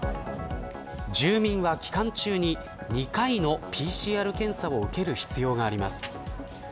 住民は期間中に２回のＰＣＲ検査を受ける必要があります。